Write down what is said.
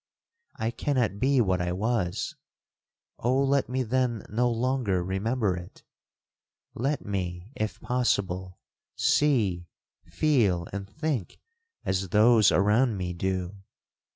I cannot be what I was—Oh, let me then no longer remember it! Let me, if possible, see, feel, and think as those around me do!